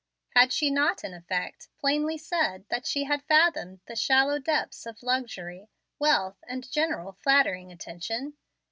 Had she not in effect plainly said that she had fathomed the shallow depths of luxury, wealth, and general flattering attention?